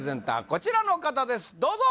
こちらの方ですどうぞ！